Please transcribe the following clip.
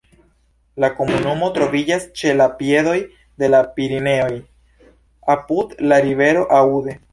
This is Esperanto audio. La komunumo troviĝas ĉe la piedoj de la Pireneoj apud la rivero Aude.